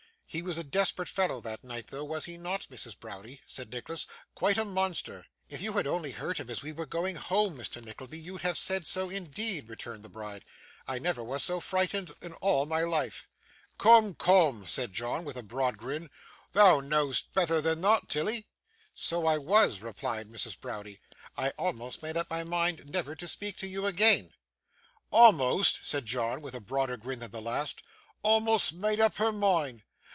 'He was a desperate fellow that night though, was he not, Mrs. Browdie?' said Nicholas. 'Quite a monster!' 'If you had only heard him as we were going home, Mr. Nickleby, you'd have said so indeed,' returned the bride. 'I never was so frightened in all my life.' 'Coom, coom,' said John, with a broad grin; 'thou know'st betther than thot, Tilly.' 'So I was,' replied Mrs. Browdie. 'I almost made up my mind never to speak to you again.' 'A'most!' said John, with a broader grin than the last. 'A'most made up her mind!